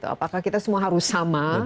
apakah kita semua harus sama